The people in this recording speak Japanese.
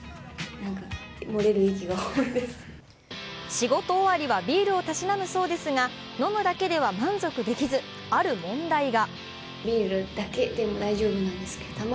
仕事終わりはビールをたしなむそうですが飲むだけでは満足できずある問題が。